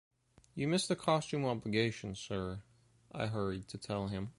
You missed the costume obligation, sir, I hurried to tell him.